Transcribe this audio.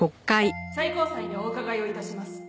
最高裁にお伺いを致します。